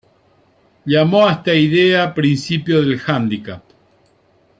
Llamó a esta idea principio del handicap.